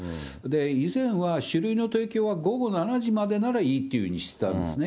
以前は酒類の提供は午後７時までならいいっていうふうにしてたんですね。